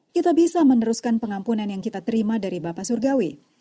kita bisa meneruskan pengampunan yang kita terima dari bapak surgawi